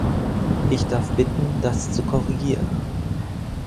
Ich darf bitten, das zu korrigieren.